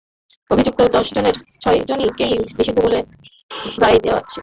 অভিযুক্ত দশজনের ছয়জনকেই নির্দোষ বলে রায় দেওয়ায় প্রশ্নবিদ্ধ হয়ে পড়েছে আকসুর তদন্ত।